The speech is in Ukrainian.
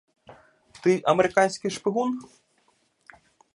Ти — американський шпигун?